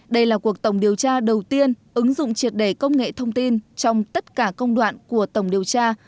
đây là cuộc tổng điều tra đầu tiên ứng dụng triệt đề công nghệ thông tin trong tất cả công đoạn của tổng điều tra